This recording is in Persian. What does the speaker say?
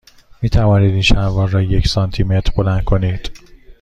می توانید این شلوار را یک سانتی متر بلند کنید؟